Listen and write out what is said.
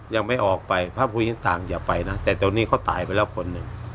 ยังไม่ออกไปพระภูมิต่างอย่าไปนะแต่ตรงนี้เขาตายไปแล้วคนหนึ่ง